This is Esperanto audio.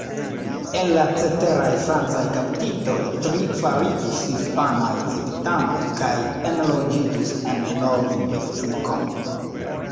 El la ceteraj francaj kaptitoj, tri fariĝis hispanaj civitanoj kaj enloĝiĝis en Nov-Meksikon.